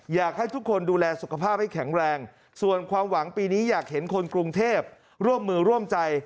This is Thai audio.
อยากให้ทุกคนดูแลสุขภาพให้แข็งแรงส่วนความหวังปีนี้อยากเห็นคนกรุงเทพร่วมมือร่วมใจ